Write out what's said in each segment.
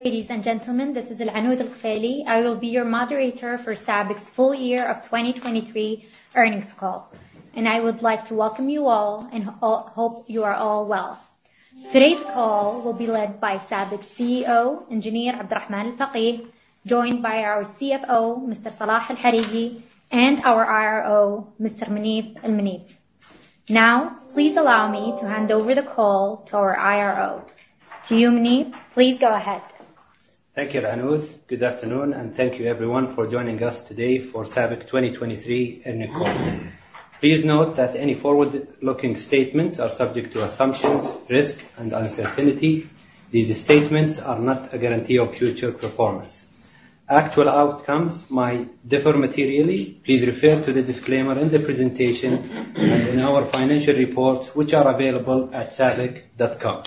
Ladies and gentlemen, this is Alanoud Alghifaili. I will be your moderator for SABIC full year of 2023 earnings call, and I would like to welcome you all and hope you are all well. Today's call will be led by SABIC CEO, Engineer Abdulrahman Al-Fageeh, joined by our CFO, Mr. Salah Al-Hareky, and our IRO, Mr. Moneef Al-Moneef. Now, please allow me to hand over the call to our IRO. To you, Moneef, please go ahead. Thank you, Alanoud. Good afternoon, and thank you, everyone, for joining us today for SABIC 2023 earnings call. Please note that any forward-looking statements are subject to assumptions, risk, and uncertainty. These statements are not a guarantee of future performance. Actual outcomes might differ materially. Please refer to the disclaimer in the presentation and in our financial reports, which are available at SABIC.com.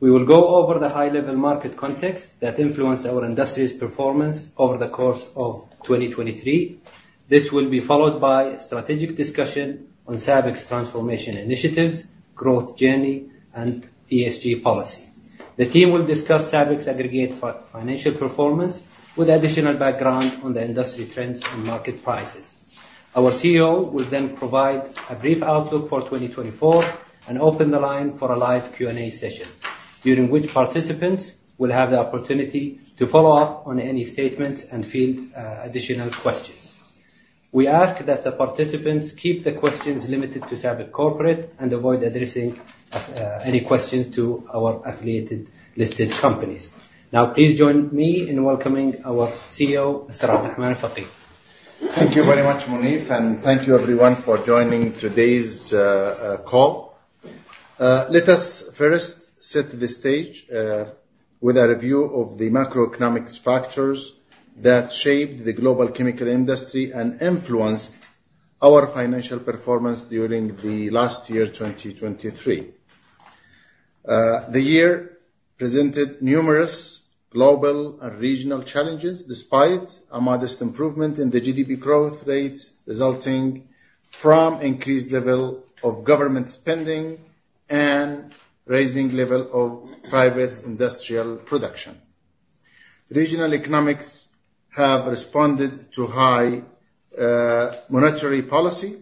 We will go over the high-level market context that influenced our industry's performance over the course of 2023. This will be followed by strategic discussion on SABIC's transformation initiatives, growth journey, and ESG policy. The team will discuss SABIC's aggregate financial performance with additional background on the industry trends and market prices. Our CEO will then provide a brief outlook for 2024 and open the line for a live Q&A session, during which participants will have the opportunity to follow up on any statements and field additional questions. We ask that the participants keep the questions limited to SABIC Corporate and avoid addressing any questions to our affiliated listed companies. Now, please join me in welcoming our CEO, Al-Fageeh. Thank you very much, Moneef, and thank you, everyone, for joining today's call. Let us first set the stage with a review of the macroeconomic factors that shaped the global chemical industry and influenced our financial performance during the last year, 2023. The year presented numerous global and regional challenges despite a modest improvement in the GDP growth rates resulting from increased level of government spending and rising level of private industrial production. Regional economics have responded to high monetary policy.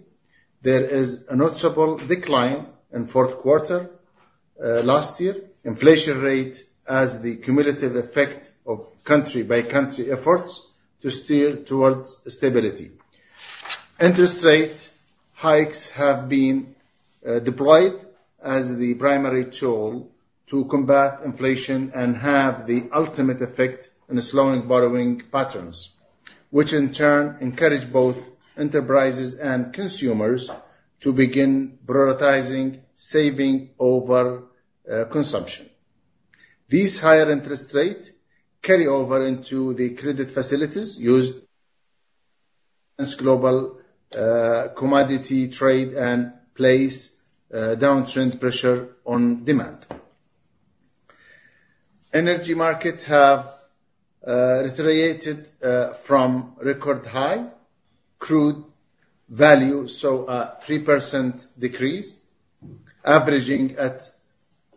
There is a noticeable decline in fourth quarter last year. Inflation rate has the cumulative effect of country-by-country efforts to steer towards stability. Interest rate hikes have been deployed as the primary tool to combat inflation and have the ultimate effect in slowing borrowing patterns, which in turn encourage both enterprises and consumers to begin prioritizing saving over consumption. These higher interest rates carry over into the credit facilities used in global commodity trade and place downtrend pressure on demand. Energy markets have retreated from record high crude value, so a 3% decrease, averaging at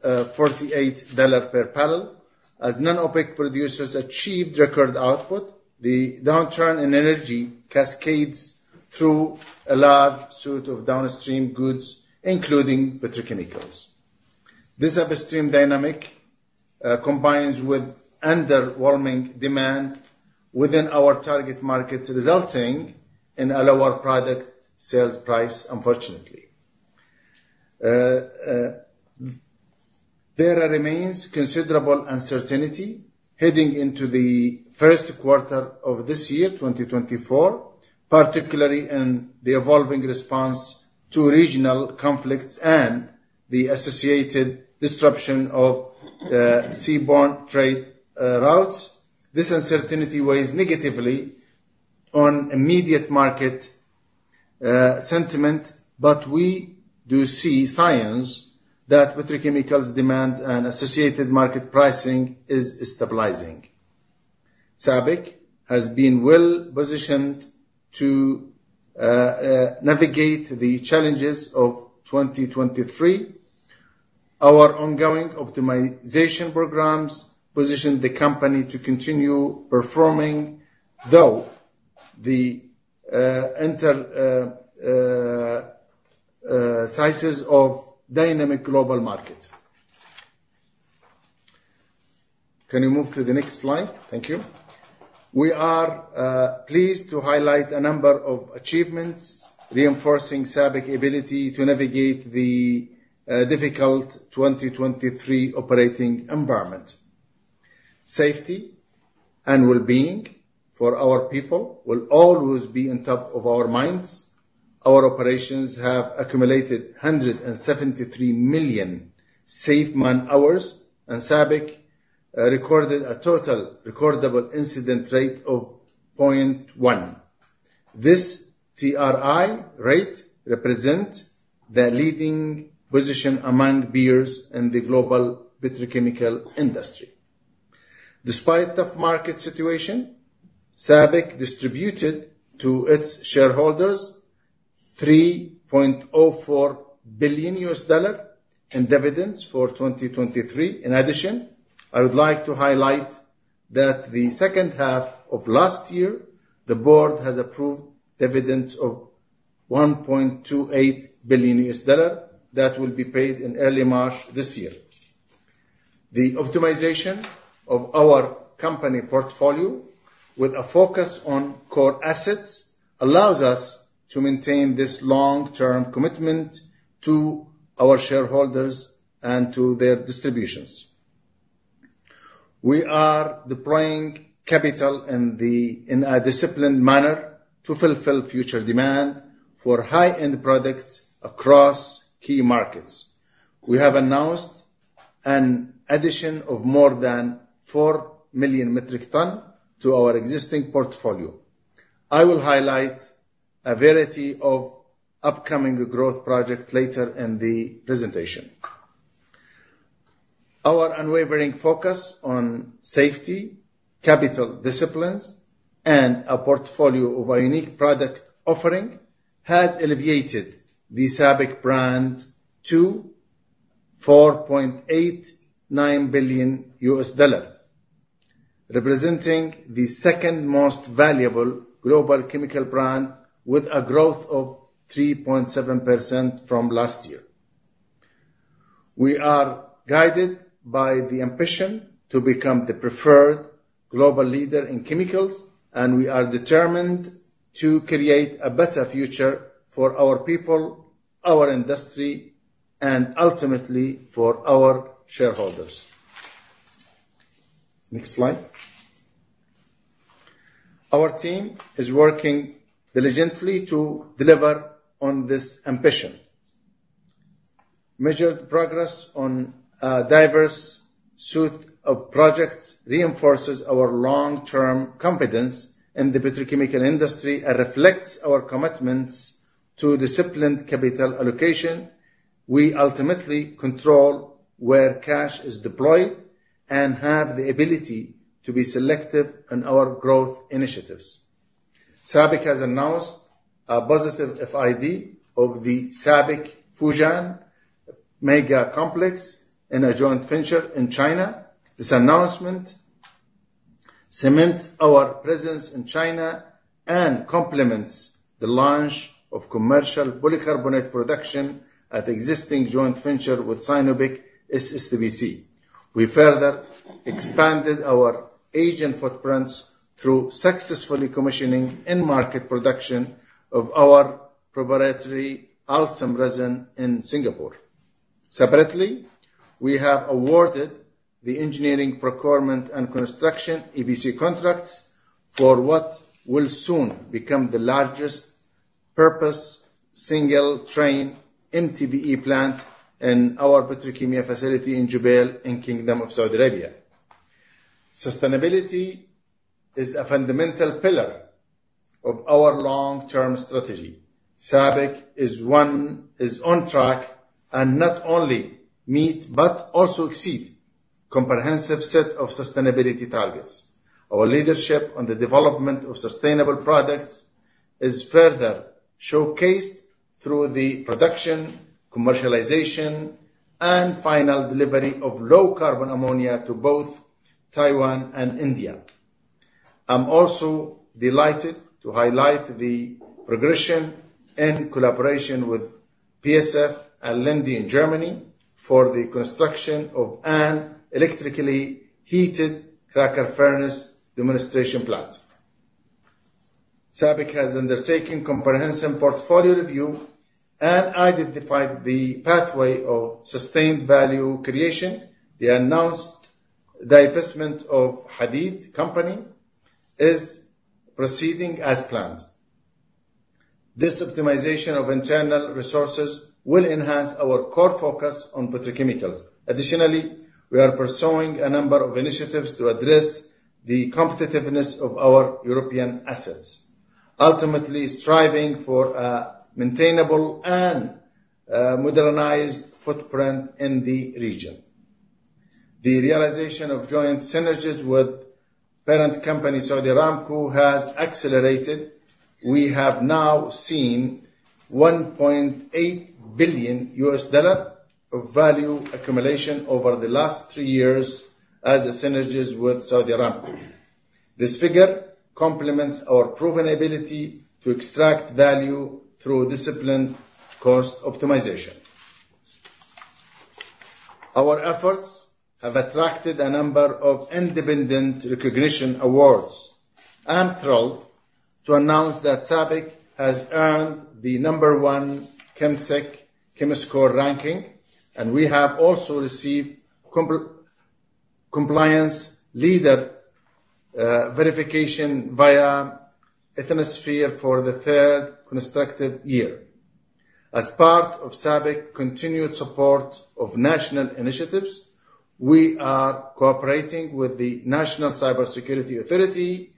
$48 per barrel. As non-OPEC producers achieved record output, the downturn in energy cascades through a large suite of downstream goods, including petrochemicals. This upstream dynamic combines with underwhelming demand within our target markets, resulting in a lower product sales price, unfortunately. There remains considerable uncertainty heading into the first quarter of this year, 2024, particularly in the evolving response to regional conflicts and the associated disruption of seaborne trade routes. This uncertainty weighs negatively on immediate market sentiment, but we do see signs that petrochemicals demand and associated market pricing is stabilizing. SABIC has been well-positioned to navigate the challenges of 2023. Our ongoing optimization programs position the company to continue performing through the intricacies of dynamic global market. Can you move to the next slide? Thank you. We are pleased to highlight a number of achievements reinforcing SABIC's ability to navigate the difficult 2023 operating environment. Safety and well-being for our people will always be on top of our minds. Our operations have accumulated 173 million safe man-hours, and SABIC recorded a total recordable incident rate of 0.1. This TRIR rate represents the leading position among peers in the global petrochemical industry. Despite tough market situation, SABIC distributed to its shareholders $3.04 billion in dividends for 2023. In addition, I would like to highlight that the second half of last year, the board has approved dividends of $1.28 billion that will be paid in early March this year. The optimization of our company portfolio, with a focus on core assets, allows us to maintain this long-term commitment to our shareholders and to their distributions. We are deploying capital in a disciplined manner to fulfill future demand for high-end products across key markets. We have announced an addition of more than 4 million metric tons to our existing portfolio. I will highlight a variety of upcoming growth projects later in the presentation. Our unwavering focus on safety, capital disciplines, and a portfolio of a unique product offering has elevated the SABIC brand to $4.89 billion, representing the second most valuable global chemical brand with a growth of 3.7% from last year. We are guided by the ambition to become the preferred global leader in chemicals, and we are determined to create a better future for our people, our industry, and ultimately for our shareholders. Next slide. Our team is working diligently to deliver on this ambition. Measured progress on a diverse suite of projects reinforces our long-term confidence in the petrochemical industry and reflects our commitments to disciplined capital allocation. We ultimately control where cash is deployed and have the ability to be selective in our growth initiatives. SABIC has announced a positive FID of the SABIC Fujian Petrochemical Complex in a joint venture in China. This announcement cements our presence in China and complements the launch of commercial polycarbonate production at existing joint venture with SINOPEC SSTPC. We further expanded our Asian footprints through successfully commissioning in-market production of our proprietary ULTEM resin in Singapore. Separately, we have awarded the Engineering Procurement and Construction (EPC) contracts for what will soon become the largest on-purpose single-train MTBE plant in our Petrokemya facility in Jubail in Kingdom of Saudi Arabia. Sustainability is a fundamental pillar of our long-term strategy. SABIC is on track to not only meet but also exceed the comprehensive set of sustainability targets. Our leadership on the development of sustainable products is further showcased through the production, commercialization, and final delivery of low-carbon ammonia to both Taiwan and India. I'm also delighted to highlight the progression in collaboration with Linde in Germany for the construction of an electrically heated cracker furnace demonstration plant. SABIC has undertaken comprehensive portfolio review and identified the pathway of sustained value creation. The announced divestment of Hadeed Company is proceeding as planned. This optimization of internal resources will enhance our core focus on petrochemicals. Additionally, we are pursuing a number of initiatives to address the competitiveness of our European assets, ultimately striving for a maintainable and modernized footprint in the region. The realization of joint synergies with parent company Saudi Aramco has accelerated. We have now seen $1.8 billion of value accumulation over the last three years as synergies with Saudi Aramco. This figure complements our proven ability to extract value through disciplined cost optimization. Our efforts have attracted a number of independent recognition awards. I'm thrilled to announce that SABIC has earned the number one ChemSec ChemScore ranking, and we have also received compliance leader verification via Ethisphere for the third consecutive year. As part of SABIC's continued support of national initiatives, we are cooperating with the National Cybersecurity Authority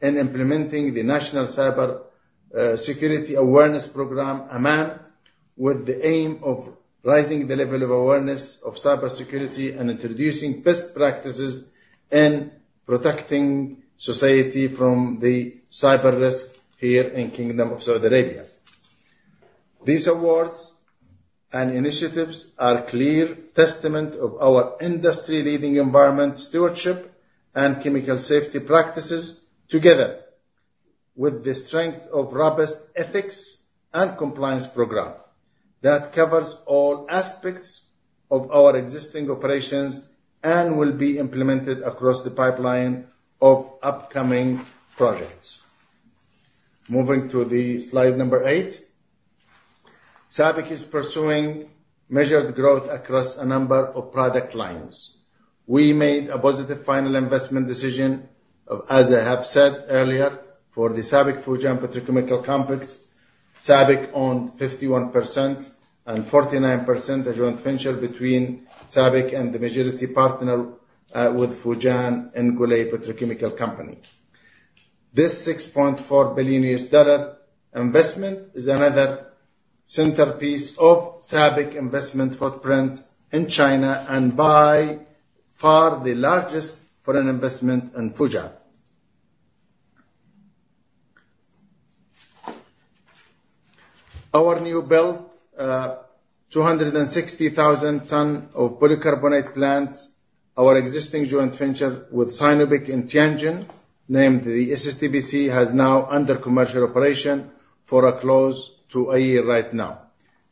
in implementing the National Cybersecurity Awareness Program (AMAN) with the aim of raising the level of awareness of cybersecurity and introducing best practices in protecting society from the cyber risk here in Kingdom of Saudi Arabia. These awards and initiatives are a clear testament to our industry-leading environmental stewardship and chemical safety practices together with the strength of robust ethics and compliance program that covers all aspects of our existing operations and will be implemented across the pipeline of upcoming projects. Moving to Slide number eight, SABIC is pursuing measured growth across a number of product lines. We made a positive final investment decision of, as I have said earlier, for the SABIC Fujian Petrochemical Complex. SABIC owned 51% and 49% a joint venture between SABIC and the majority partner with Fujian Fuhua Gulei Petrochemical Company. This $6.4 billion investment is another centerpiece of SABIC's investment footprint in China and by far the largest foreign investment in Fujian. Our new-built 260,000-ton polycarbonate plant, our existing joint venture with SINOPEC in Tianjin named the SSTPC, has now under commercial operation for a close to a year right now.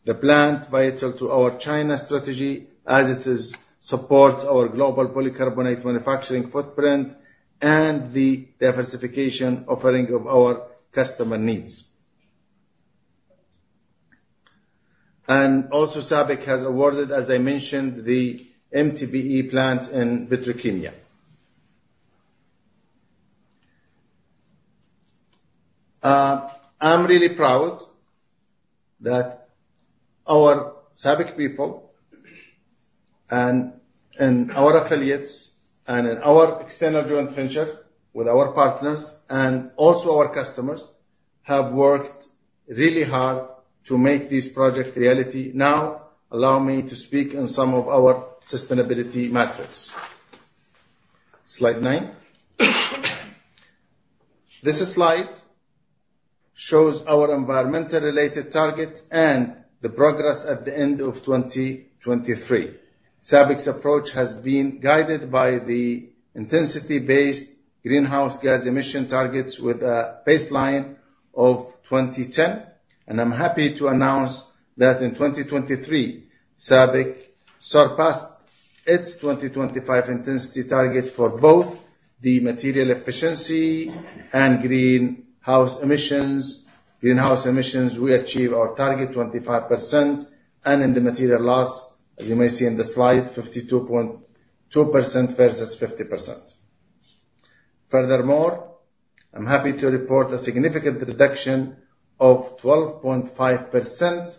The plant is vital to our China strategy as it supports our global polycarbonate manufacturing footprint and the diversification offering of our customer needs. Also, SABIC has awarded, as I mentioned, the MTBE plant in Petrokemya. I'm really proud that our SABIC people and our affiliates and our external joint venture with our partners and also our customers have worked really hard to make these projects reality. Now allow me to speak on some of our sustainability metrics. Slide nine. This slide shows our environmental-related targets and the progress at the end of 2023. SABIC's approach has been guided by the intensity-based greenhouse gas emission targets with a baseline of 2010, and I'm happy to announce that in 2023, SABIC surpassed its 2025 intensity target for both the material efficiency and greenhouse emissions. Greenhouse emissions, we achieved our target 25%, and in the material loss, as you may see in the slide, 52.2% versus 50%. Furthermore, I'm happy to report a significant reduction of 12.5%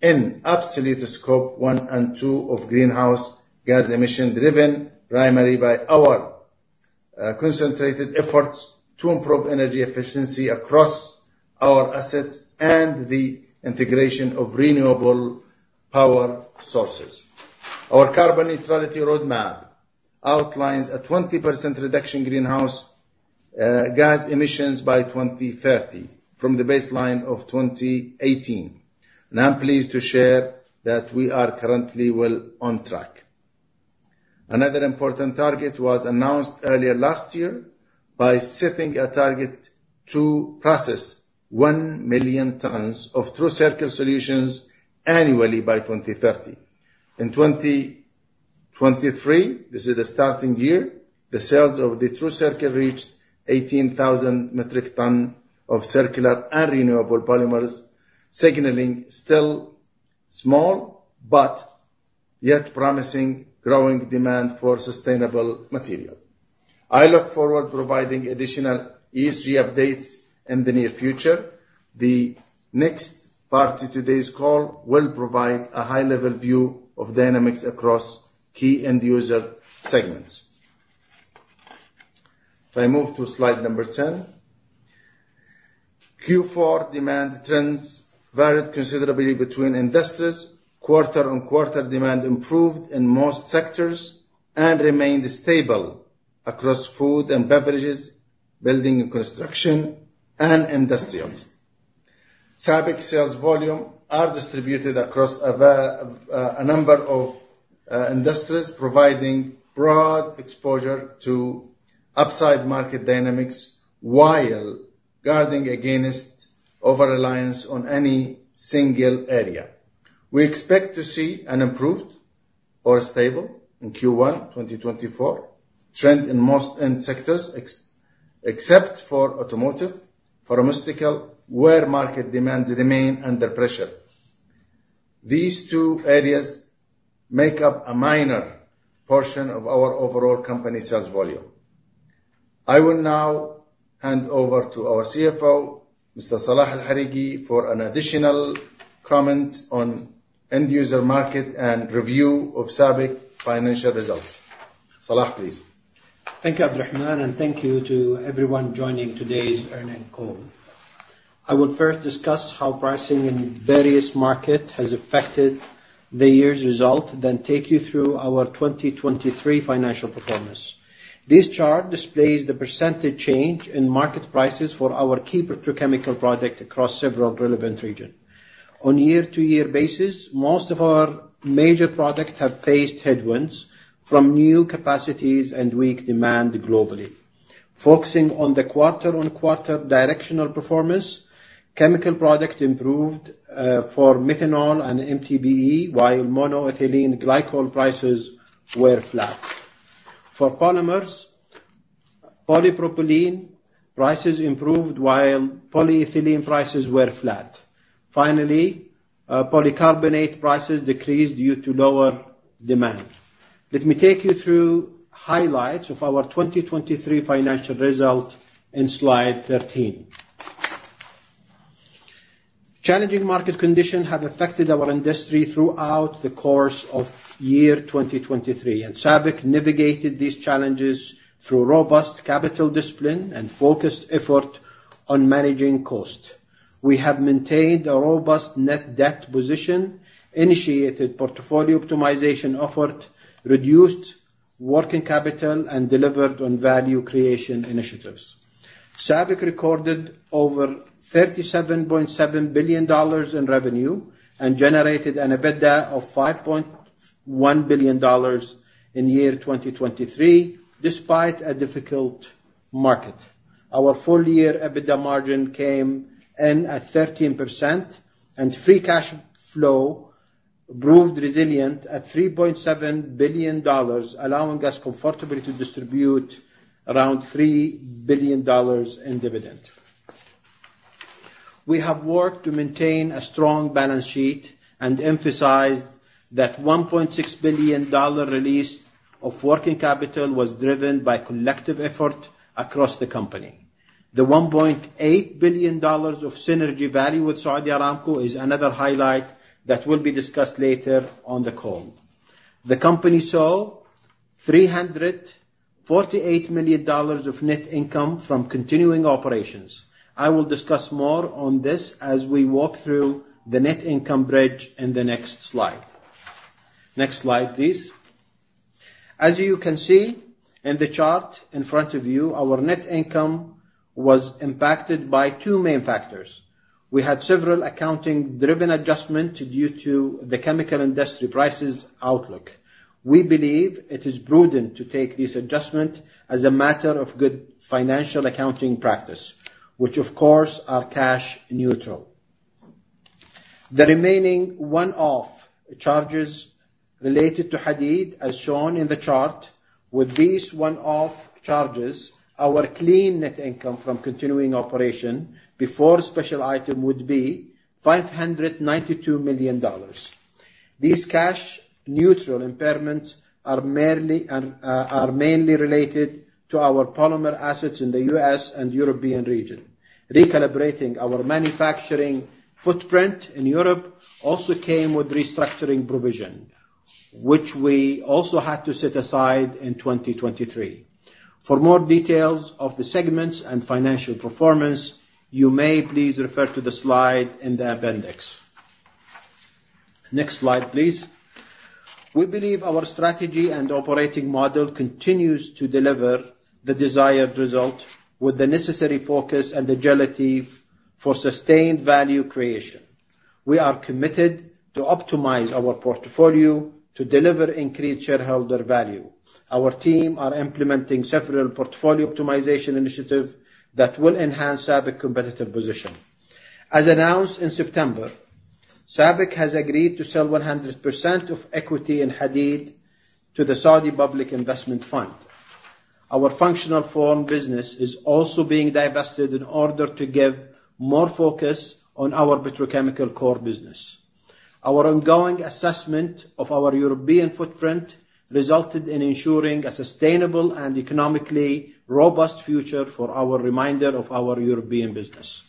in absolute Scope 1 and 2 of greenhouse gas emission driven primarily by our concentrated efforts to improve energy efficiency across our assets and the integration of renewable power sources. Our carbon neutrality roadmap outlines a 20% reduction in greenhouse gas emissions by 2030 from the baseline of 2018, and I'm pleased to share that we are currently well on track. Another important target was announced earlier last year by setting a target to process 1,000,000 tons of TRUCIRCLE solutions annually by 2030. In 2023, this is the starting year, the sales of the TRUCIRCLE reached 18,000 metric tons of circular and renewable polymers, signaling still small but yet promising growing demand for sustainable materials. I look forward to providing additional ESG updates in the near future. The next part to today's call will provide a high-level view of dynamics across key end-user segments. If I move to Slide number 10, Q4 demand trends varied considerably between industries. Quarter on quarter, demand improved in most sectors and remained stable across food and beverages, building and construction, and industrials. SABIC sales volumes are distributed across a number of industries, providing broad exposure to upside market dynamics while guarding against over-reliance on any single area. We expect to see an improved or stable in Q1 2024 trend in most end sectors, except for automotive, pharmaceutical, where market demands remain under pressure. These two areas make up a minor portion of our overall company sales volume. I will now hand over to our CFO, Mr. Salah Al-Hareky, for an additional comment on end-user market and review of SABIC's financial results. Salah, please. Thank you, Abdulrahman, and thank you to everyone joining today's earnings call. I will first discuss how pricing in various markets has affected the year's result, then take you through our 2023 financial performance. This chart displays the percentage change in market prices for our key petrochemical products across several relevant regions. On a year-over-year basis, most of our major products have faced headwinds from new capacities and weak demand globally. Focusing on the quarter-over-quarter directional performance, chemical products improved for methanol and MTBE while monoethylene glycol prices were flat. For polymers, polypropylene prices improved while polyethylene prices were flat. Finally, polycarbonate prices decreased due to lower demand. Let me take you through highlights of our 2023 financial result in Slide 13. Challenging market conditions have affected our industry throughout the course of year 2023, and SABIC navigated these challenges through robust capital discipline and focused effort on managing costs. We have maintained a robust net debt position, initiated portfolio optimization efforts, reduced working capital, and delivered on value creation initiatives. SABIC recorded over $37.7 billion in revenue and generated an EBITDA of $5.1 billion in year 2023 despite a difficult market. Our full-year EBITDA margin came in at 13%, and free cash flow proved resilient at $3.7 billion, allowing us comfortably to distribute around $3 billion in dividends. We have worked to maintain a strong balance sheet and emphasized that the $1.6 billion release of working capital was driven by collective effort across the company. The $1.8 billion of synergy value with Saudi Aramco is another highlight that will be discussed later on the call. The company saw $348 million of net income from continuing operations. I will discuss more on this as we walk through the net income bridge in the next slide. Next slide, please. As you can see in the chart in front of you, our net income was impacted by two main factors. We had several accounting-driven adjustments due to the chemical industry prices outlook. We believe it is prudent to take these adjustments as a matter of good financial accounting practice, which, of course, are cash neutral. The remaining one-off charges related to Hadeed, as shown in the chart. With these one-off charges, our clean net income from continuing operation before special item would be $592 million. These cash neutral impairments are mainly related to our polymer assets in the U.S. and European region. Recalibrating our manufacturing footprint in Europe also came with restructuring provision, which we also had to set aside in 2023. For more details of the segments and financial performance, you may please refer to the slide in the appendix. Next slide, please. We believe our strategy and operating model continues to deliver the desired result with the necessary focus and agility for sustained value creation. We are committed to optimize our portfolio to deliver increased shareholder value. Our team is implementing several portfolio optimization initiatives that will enhance SABIC's competitive position. As announced in September, SABIC has agreed to sell 100% of equity in Hadeed to the Saudi Public Investment Fund. Our functional foreign business is also being divested in order to give more focus on our petrochemical core business. Our ongoing assessment of our European footprint resulted in ensuring a sustainable and economically robust future for our remainder of our European business.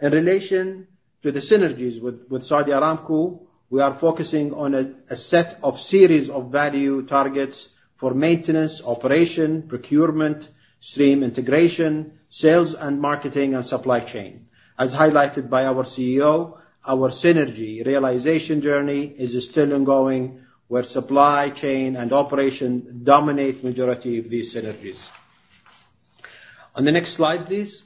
In relation to the synergies with Saudi Aramco, we are focusing on a series of value targets for maintenance, operation, procurement, stream integration, sales, marketing, and supply chain. As highlighted by our CEO, our synergy realization journey is still ongoing, where supply chain and operation dominate the majority of these synergies. On the next slide, please.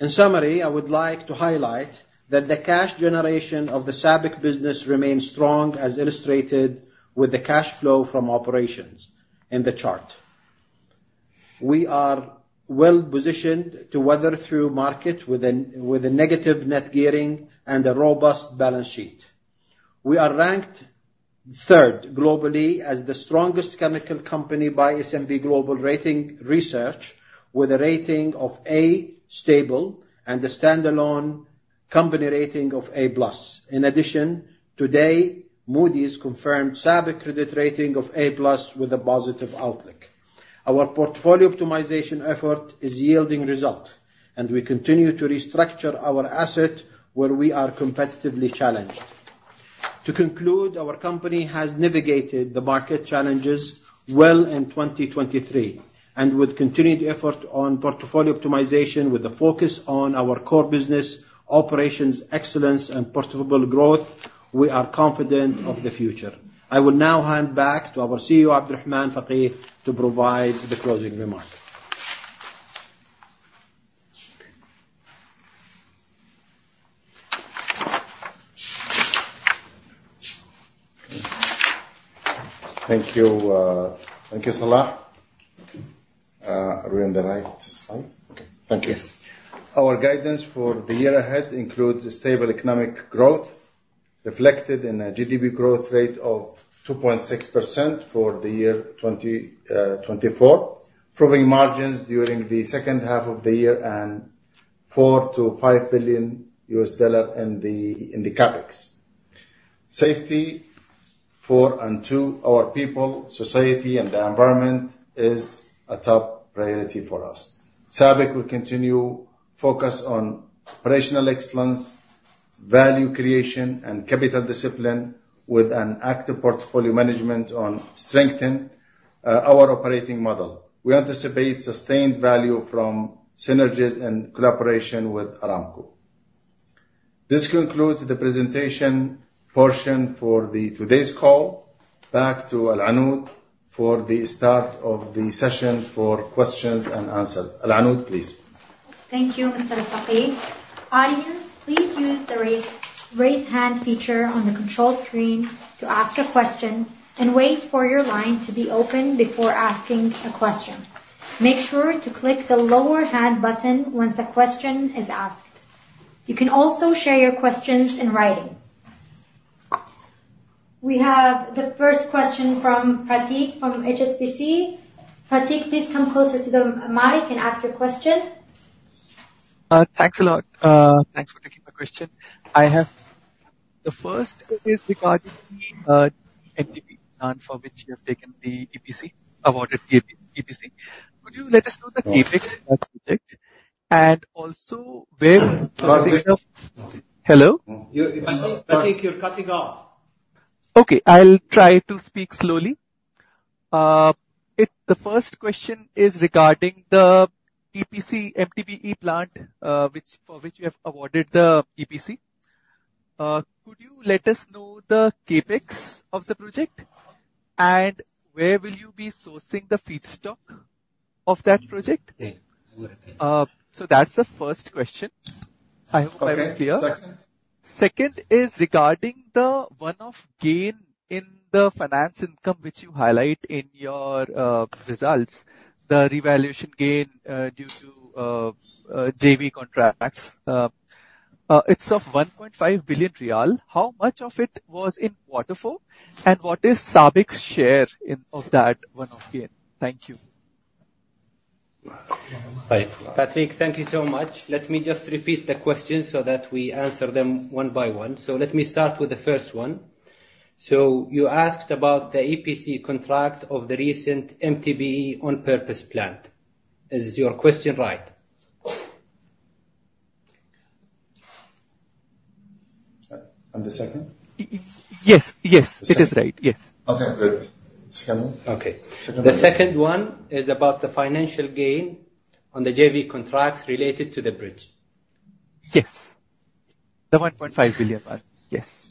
In summary, I would like to highlight that the cash generation of the SABIC business remains strong, as illustrated with the cash flow from operations in the chart. We are well positioned to weather through markets with a negative net gearing and a robust balance sheet. We are ranked third globally as the strongest chemical company by S&P Global Ratings, with a rating of A, stable, and a standalone company rating of A+. In addition, today, Moody's confirmed SABIC's credit rating of A+ with a positive outlook. Our portfolio optimization effort is yielding results, and we continue to restructure our assets where we are competitively challenged. To conclude, our company has navigated the market challenges well in 2023, and with continued efforts on portfolio optimization with a focus on our core business, operations excellence, and profitable growth, we are confident of the future. I will now hand back to our CEO, Abdulrahman Al-Fageeh, to provide the closing remark. Thank you. Thank you, Salah. Are we on the right slide? Okay. Thank you. Yes. Our guidance for the year ahead includes stable economic growth reflected in a GDP growth rate of 2.6% for the year 2024, improving margins during the second half of the year and $4 billion-$5 billion in CapEx. Safety first to our people, society, and the environment is a top priority for us. SABIC will continue to focus on operational excellence, value creation, and capital discipline with an active portfolio management on strengthening our operating model. We anticipate sustained value from synergies and collaboration with Aramco. This concludes the presentation portion for today's call. Back to Alanoud for the start of the session for questions and answers. Alanoud, please. Thank you, Mr. Al-Fageeh. Audience, please use the raise hand feature on the control screen to ask a question and wait for your line to be open before asking a question. Make sure to click the lower hand button once the question is asked. You can also share your questions in writing. We have the first question from Prateek from HSBC. Prateek, please come closer to the mic and ask your question. Thanks a lot. Thanks for taking my question. The first is regarding the Prateek? Hello? Prateek, you're cutting off. Okay. I'll try to speak slowly. The first question is regarding the EPC MTBE plant for which you have awarded the EPC. Could you let us know the CapEx of the project and where will you be sourcing the feedstock of that project? Okay. I will replay. That's the first question. I hope I was clear. Okay. Second? Second is regarding the one-off gain in the finance income which you highlight in your results, the revaluation gains due to JV contracts. It's of 1.5 billion riyal. How much of it was in Waterfall, and what is SABIC's share of that one-off gain? Thank you. Prateek, thank you so much. Let me just repeat the questions so that we answer them one by one. So let me start with the first one. So you asked about the EPC contract of the recent MTBE on-purpose plant. Is your question right? On the second? Yes. Yes. It is right. Yes. Okay. Good. Second one? Okay. Second one? The second one is about the financial gain on the JV contracts related to the bridge. Yes. The $1.5 billion part. Yes.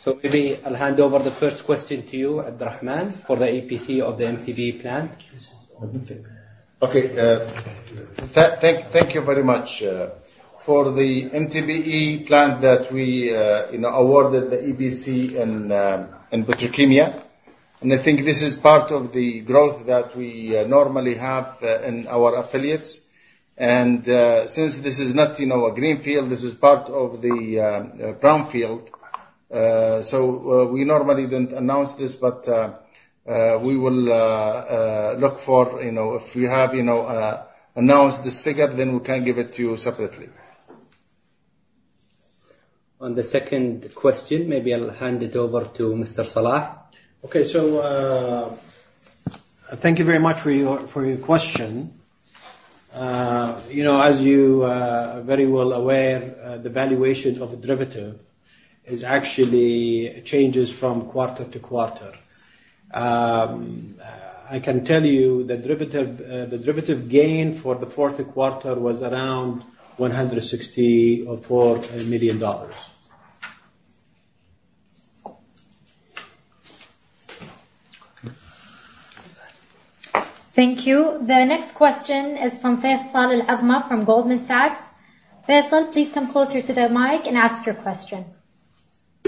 So maybe I'll hand over the first question to you, Abdulrahman, for the EPC of the MTBE plant. Okay. Thank you very much. For the MTBE plant that we awarded the EPC in Petrokemya, and I think this is part of the growth that we normally have in our affiliates. Since this is not a greenfield, this is part of the brownfield. We normally don't announce this, but we will look for if you have announced this figure, then we can give it to you separately. On the second question, maybe I'll hand it over to Mr. Salah. Okay. Thank you very much for your question. As you are very well aware, the valuation of derivative changes from quarter to quarter. I can tell you the derivative gain for the fourth quarter was around $164 million. Thank you. The next question is from Faisal from Goldman Sachs. Faisal, please come closer to the mic and ask your question.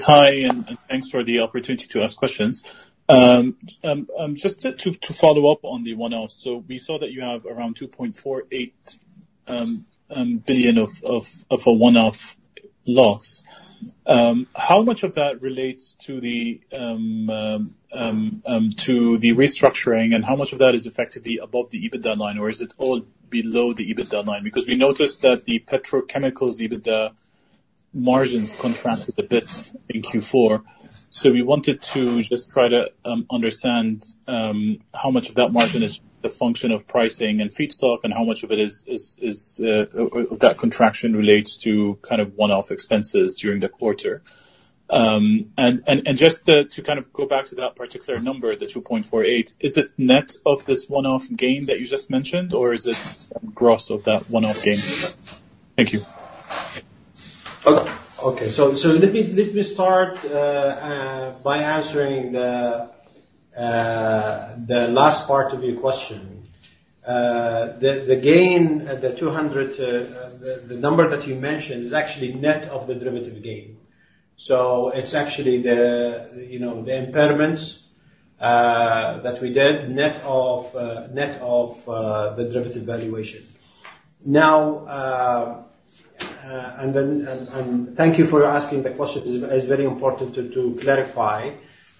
Hi, and thanks for the opportunity to ask questions. Just to follow up on the one-off, so we saw that you have around $2.48 billion of a one-off loss. How much of that relates to the restructuring, and how much of that is effectively above the EBITDA line, or is it all below the EBITDA line? Because we noticed that the petrochemicals EBITDA margins contracted a bit in Q4. So we wanted to just try to understand how much of that margin is the function of pricing and feedstock, and how much of that contraction relates to kind of one-off expenses during the quarter. And just to kind of go back to that particular number, the 2.48, is it net of this one-off gain that you just mentioned, or is it gross of that one-off gain? Thank you. Okay. So let me start by answering the last part of your question. The gain, the number that you mentioned, is actually net of the derivative gain. So it's actually the impairments that we did net of the derivative valuation. And thank you for asking the question. It's very important to clarify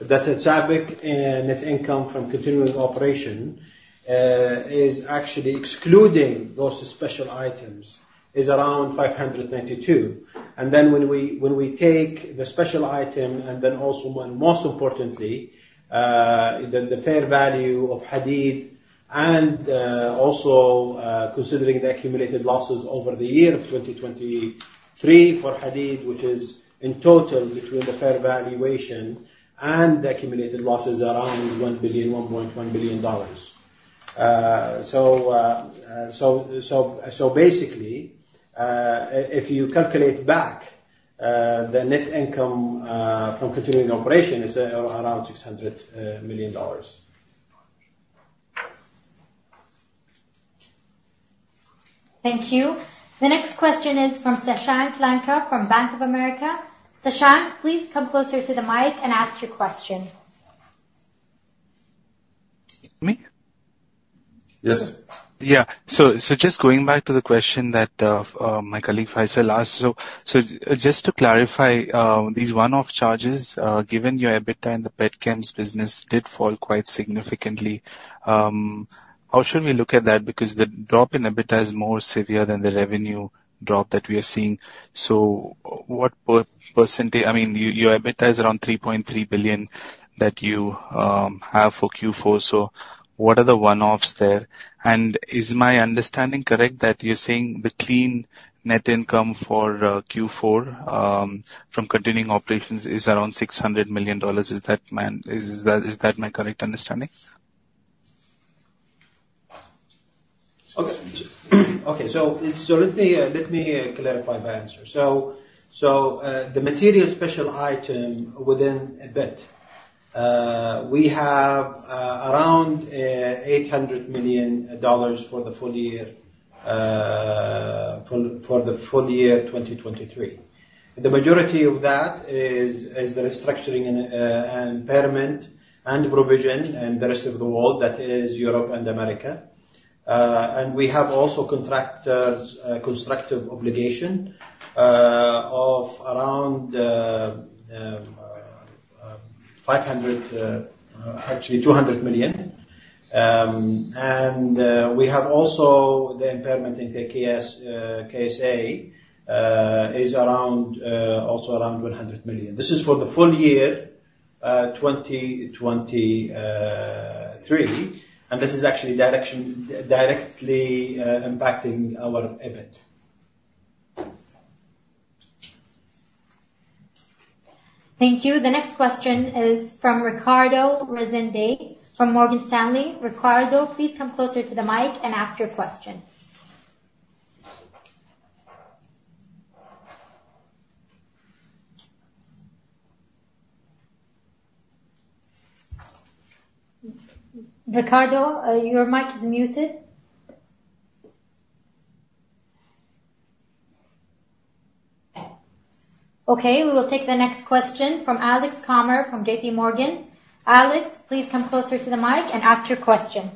that the SABIC net income from continuing operation is actually excluding those special items, is around $592 million. And then when we take the special item and then also, most importantly, the fair value of Hadeed and also considering the accumulated losses over the year of 2023 for Hadeed, which is in total between the fair valuation and the accumulated losses around $1 billion-$1.1 billion. So basically, if you calculate back the net income from continuing operation, it's around $600 million. Thank you. The next question is from Sashank Lanka from Bank of America. Sashank, please come closer to the mic and ask your question. Me? Yes. Yeah. So just going back to the question that my colleague Faisal asked, so just to clarify, these one-off charges, given your EBITDA and the PetChems business did fall quite significantly, how should we look at that? Because the drop in EBITDA is more severe than the revenue drop that we are seeing. So what percentage—I mean, your EBITDA is around $3.3 billion that you have for Q4. So what are the one-offs there? And is my understanding correct that you're saying the clean net income for Q4 from continuing operations is around $600 million? Is that my correct understanding? Okay. So let me clarify by answer. So the material special item within a bit, we have around $800 million for the full year for the full year 2023. The majority of that is the restructuring and impairment and provision and the rest of the world, that is Europe and America. And we have also contractors' constructive obligation of around $500 million, actually $200 million. And we have also the impairment in KSA is also around $100 million. This is for the full year 2023, and this is actually directly impacting our EBIT. Thank you. The next question is from Ricardo Rezende from Morgan Stanley. Ricardo, please come closer to the mic and ask your question. Ricardo, your mic is muted. Okay. We will take the next question from Alex from JPMorgan. Alex, please come closer to the mic and ask your question.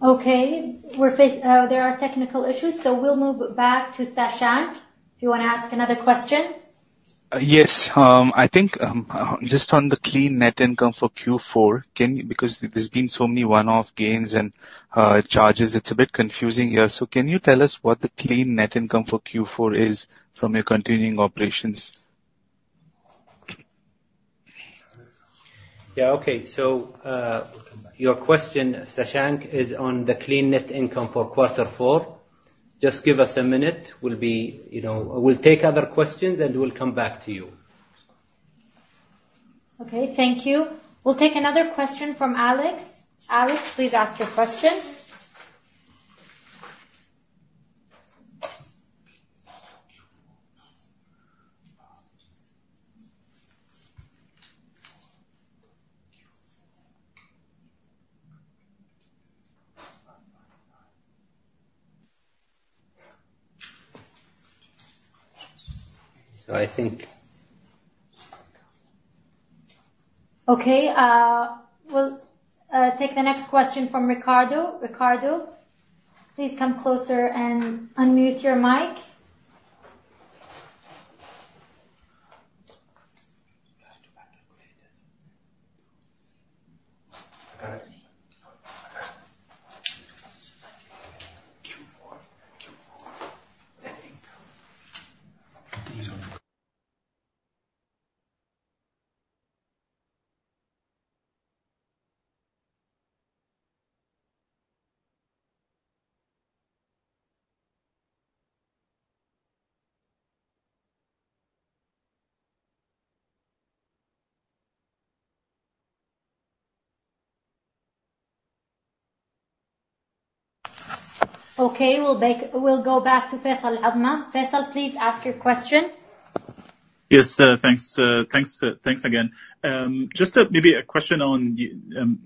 Okay. There are technical issues, so we'll move back to Sashank if you want to ask another question. Yes. I think just on the clean net income for Q4, because there's been so many one-off gains and charges, it's a bit confusing here. So can you tell us what the clean net income for Q4 is from your continuing operations? Yeah. Okay. So your question, Sashank, is on the clean net income for quarter four. Just give us a minute. We'll take other questions, and we'll come back to you. Okay. Thank you. We'll take another question from Alex. Alex, please ask your question. So I think. Okay. We'll take the next question from Ricardo. Ricardo, please come closer and unmute your mic. Okay. We'll go back to Faisal. Faisal, please ask your question. Yes. Thanks again. Just maybe a question on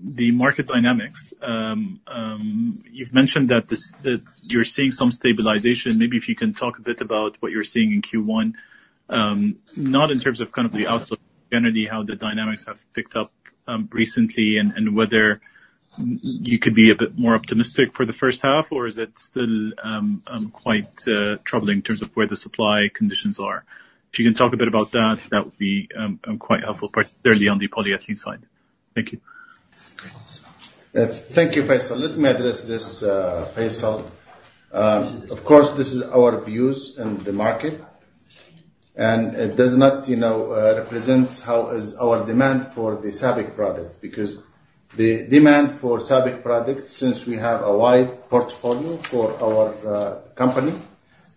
the market dynamics. You've mentioned that you're seeing some stabilization. Maybe if you can talk a bit about what you're seeing in Q1, not in terms of kind of the outlook, but generally how the dynamics have picked up recently and whether you could be a bit more optimistic for the first half, or is it still quite troubling in terms of where the supply conditions are? If you can talk a bit about that, that would be quite helpful, particularly on the polyethylene side. Thank you. Thank you, Faisal. Let me address this, Faisal. Of course, this is our views and the market, and it does not represent how is our demand for the SABIC products because the demand for SABIC products, since we have a wide portfolio for our company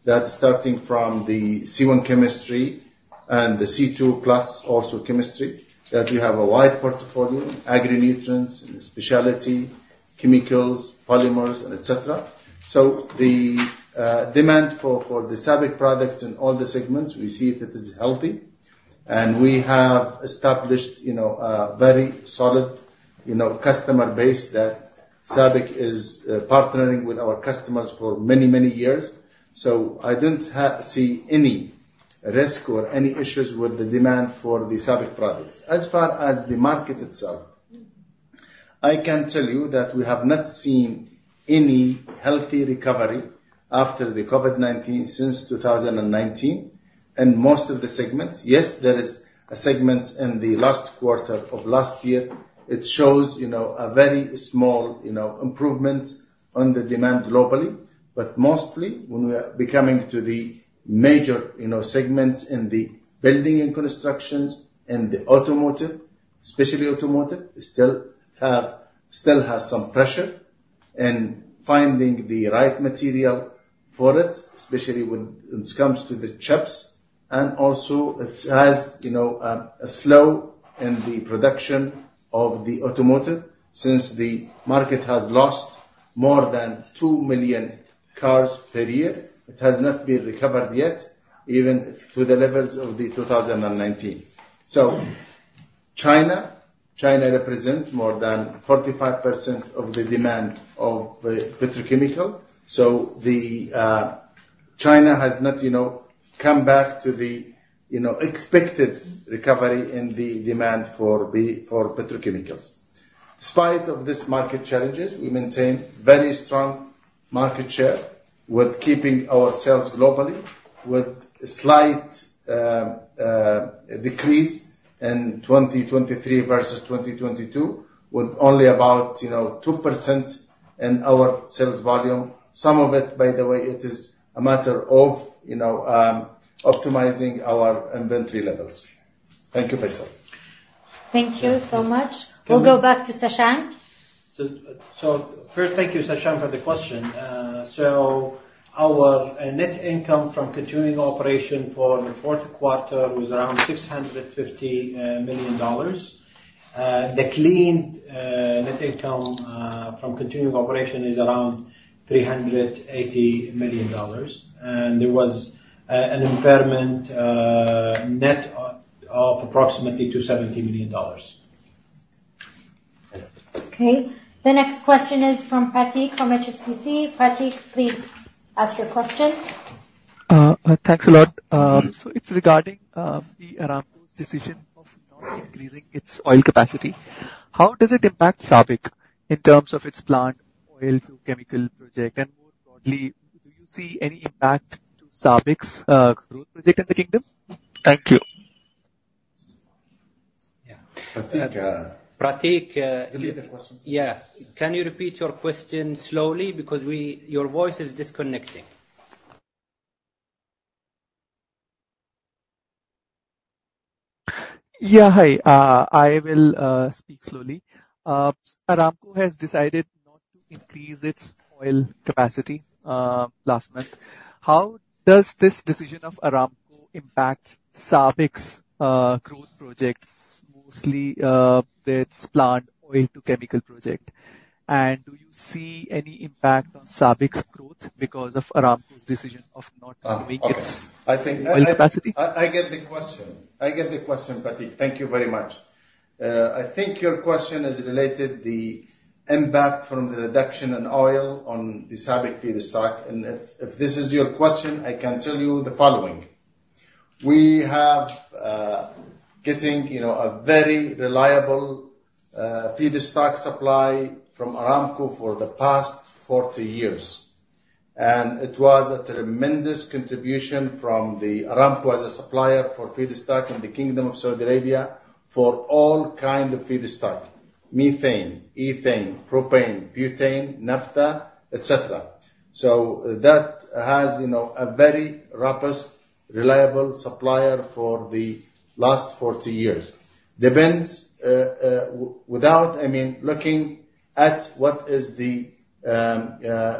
that's starting from the C1 chemistry and the C2+ also chemistry, that we have a wide portfolio, Agri-nutrients, specialty, chemicals, polymers, etc. So the demand for the SABIC products in all the segments, we see that it is healthy, and we have established a very solid customer base that SABIC is partnering with our customers for many, many years. So I don't see any risk or any issues with the demand for the SABIC products. As far as the market itself, I can tell you that we have not seen any healthy recovery after the COVID-19 since 2019 in most of the segments. Yes, there is a segment in the last quarter of last year. It shows a very small improvement on the demand globally. But mostly, when we are becoming to the major segments in the building and constructions and the automotive, especially automotive, still has some pressure in finding the right material for it, especially when it comes to the chips. And also, it has a slow in the production of the automotive since the market has lost more than 2 million cars per year. It has not been recovered yet, even to the levels of 2019. So China represents more than 45% of the demand of petrochemical. So China has not come back to the expected recovery in the demand for petrochemicals. Despite this market challenges, we maintain very strong market share with keeping our sales globally, with a slight decrease in 2023 versus 2022 with only about 2% in our sales volume. Some of it, by the way, it is a matter of optimizing our inventory levels. Thank you, Faisal. Thank you so much. We'll go back to Sashank. First, thank you, Sashank, for the question. Our net income from continuing operation for the fourth quarter was around $650 million. The clean net income from continuing operation is around $380 million, and there was an impairment net of approximately $270 million. Okay. The next question is from Prateek from HSBC. Prateek, please ask your question. Thanks a lot. It's regarding decision of not increasing its oil capacity. How does it impact SABIC in terms of its plant oil-to-chemical project? SABIC's growth project in the kingdom? Thank you. Yeah. Prateek. Repeat the question. Yeah. Can you repeat your question slowly because your voice is disconnecting? Yeah. Hi. I will speak slowly. Aramco has decided not to increase its oil capacity last month. How does this decision of Aramco impact SABIC's growth projects, mostly its plant oil-to-chemical project? And do you see any impact on SABIC's growth because of Aramco's decision of not increasing its oil capacity? I get the question. I get the question, Prateek. Thank you very much. I think your question is related to the impact from the reduction in oil on the SABIC feedstock. And if this is your question, I can tell you the following. We have been getting a very reliable feedstock supply from Aramco for the past 40 years, and it was a tremendous contribution from Aramco as a supplier for feedstock in the Kingdom of Saudi Arabia for all kinds of feedstock: methane, ethane, propane, butane, naphtha, etc. So that has been a very robust, reliable supplier for the last 40 years. I mean, looking at what is the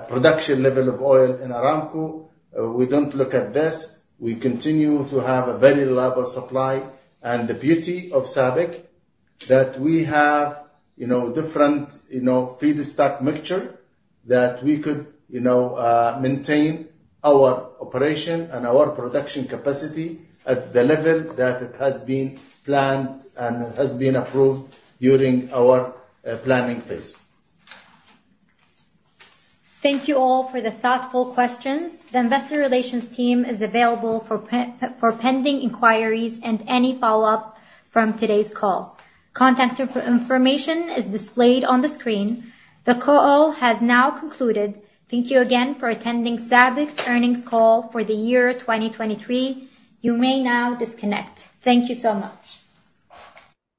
production level of oil in Aramco, we don't look at this. We continue to have a very reliable supply. The beauty of SABIC is that we have a different feeder stock mixture that we could maintain our operation and our production capacity at the level that it has been planned and has been approved during our planning phase. Thank you all for the thoughtful questions. The investor relations team is available for pending inquiries and any follow-up from today's call. Contact information is displayed on the screen. The call has now concluded. Thank you again for attending SABIC's earnings call for the year 2023. You may now disconnect. Thank you so much.